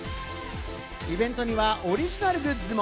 イベントにはオリジナルグッズも。